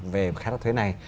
về khai thác thuế này